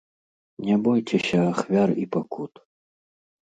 Не бойцеся ахвяр і пакут!